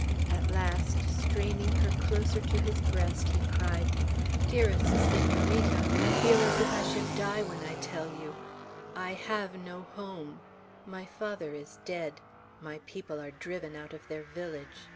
At last, straining her closer to his breast, he cried: "Dearest Senorita! I feel as if I should die when I tell you, I have no home; my father is dead; my people are driven out of their village.